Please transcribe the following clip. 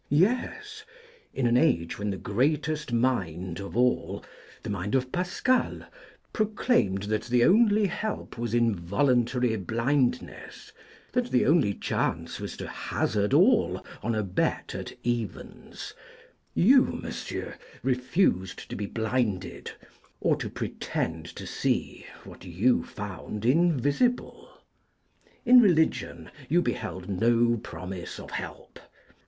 Yes, in an age when the greatest mind of all, the mind of Pascal, proclaimed that the only help was in voluntary blindness, that the only chance was to hazard all on a bet at evens, you, Monsieur, refused to be blinded, or to pretend to see what you found invisible. In Religion you beheld no promise of help.